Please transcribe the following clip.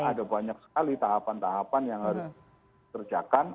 karena ada banyak sekali tahapan tahapan yang harus dikerjakan